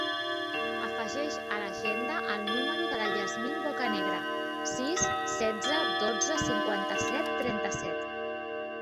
Afegeix a l'agenda el número de la Yasmine Bocanegra: sis, setze, dotze, cinquanta-set, trenta-set.